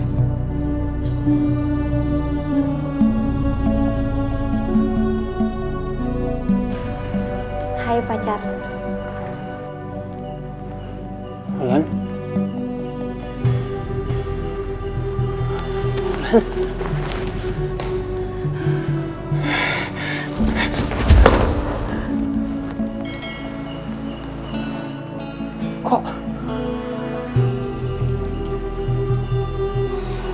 yang memiliki pengharapan